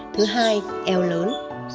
thứ hai eo lớn